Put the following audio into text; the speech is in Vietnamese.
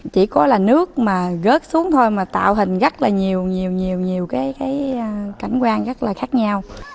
chỉ có là nước mà rớt xuống thôi mà tạo hình rất là nhiều nhiều nhiều nhiều cái cảnh quan rất là khác nhau